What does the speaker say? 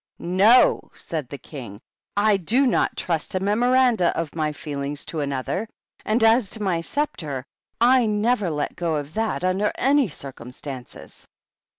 *' No I" said the King. " I do not trust a Memoranda of my Feelings to another; and as to my sceptre, I never let go of that under any circumstances." THE BISHOPS.